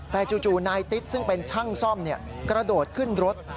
แต่จู่นายติ๊ดซึ่งเป็นช่างซ่อมกระโดดขึ้นรถ